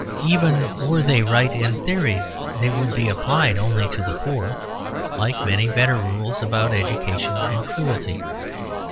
Even were they right in theory they would be applied only to the poor, like many better rules about education and cruelty.